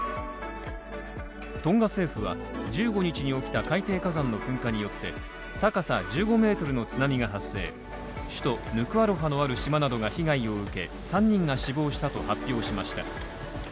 トンガ政府は１５日に起きた海底火山の噴火によって高さ１５ｍの津波が発生し首都ヌクアロファのある島などが被害を受け、３人が死亡したと発表しました。